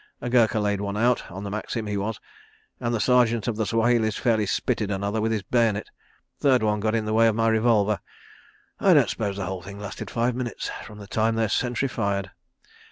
A Gurkha laid one out—on the Maxim, he was—and the Sergeant of the Swahilis fairly spitted another with his bayonet. ... Third one got in the way of my revolver. .. I don't s'pose the whole thing lasted five minutes from the time their sentry fired.